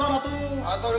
baik baik baik